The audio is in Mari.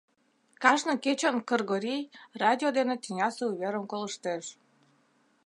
Кажне кечын Кыргорий радио дене тӱнясе уверым колыштеш.